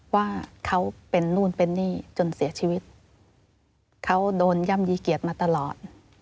ว่าเขาเป็นนู่นเป็นนี่จนเสียชีวิตเขาโดนย่ำยีเกียจมาตลอด